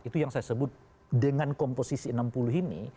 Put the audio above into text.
itu yang saya sebut dengan komposisi enam puluh ini